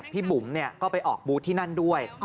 บุ๋มก็ไปออกบูธที่นั่นด้วย